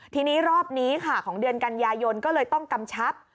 ทีนี้รอบนี้ค่ะของเดือนกันยายนก็เลยต้องกำชับ